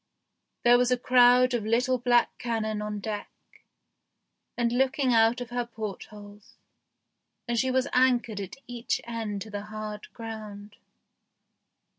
There was a crowd of little black cannon on deck and looking out of her port holes, and she was anchored at each end to the hard ground.